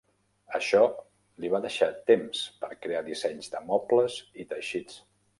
Això li va deixar temps per crear dissenys de mobles i teixits.